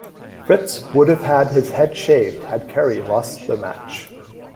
Fritz would have had his head shaved had Kerry lost the match.